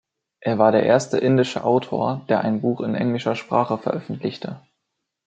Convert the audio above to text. Er war der erste indische Autor, der ein Buch in englischer Sprache veröffentlichte.